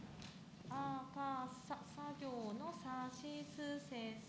あかさ、さ行のさしすせそ。